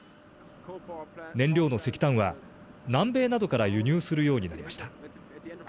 燃料の石炭は南米などから輸入するようになりました。